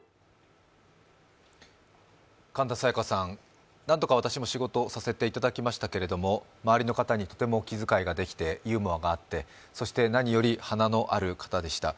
神田沙也加さん、何度か私も仕事をさせていただきましたけども、周りの方にとても気遣いができてユーモアがあって、そして何より華のある方でした。